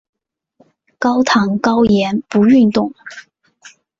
高糖高盐不运动